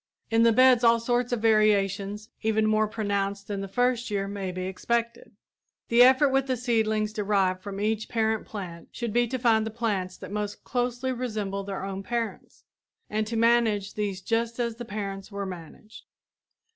In the beds all sorts of variations even more pronounced than the first year may be expected. The effort with the seedlings derived from each parent plant should be to find the plants that most closely resemble their own parents, and to manage these just as the parents were managed.